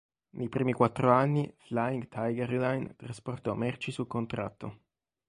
Nei primi quattro anni, Flying Tiger Line trasportò merci su contratto.